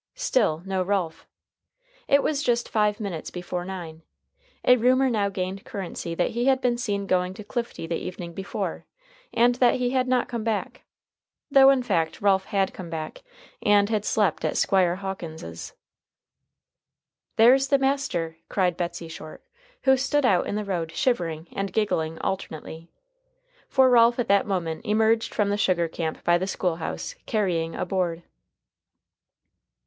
Still no Ralph. It was just five minutes before nine. A rumor now gained currency that he had been seen going to Clifty the evening before, and that he had not come back, though in fact Ralph had come back, and had slept at Squire Hawkins's. "There's the master," cried Betsey Short, who stood out in the road shivering and giggling alternately. For Ralph at that moment emerged from the sugar camp by the school house, carrying a board.